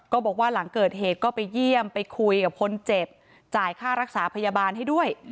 บอกว่าหลังเกิดเหตุก็ไปเยี่ยมไปคุยกับคนเจ็บจ่ายค่ารักษาพยาบาลให้ด้วย